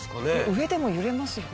上でも揺れますよ。